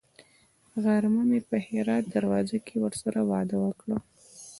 غرمه مې په هرات دروازه کې ورسره وعده وکړه.